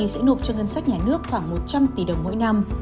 sẽ nộp cho ngân sách nhà nước khoảng một trăm linh tỷ đồng mỗi năm